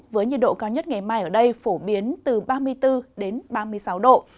với nhiệt độ cao nhất ngày mai ở đây phổ biến từ ba mươi bốn đến ba mươi sáu độ